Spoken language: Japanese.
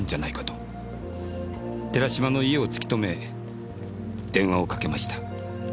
寺島の家を突き止め電話をかけました。